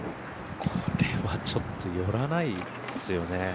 これはちょっと寄らないですよね。